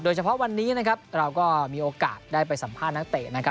โดยเฉพาะวันนี้เราก็มีโอกาสได้ไปสัมภาษณ์นักเตะ